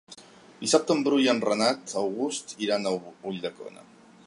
Dissabte en Bru i en Renat August iran a Ulldecona.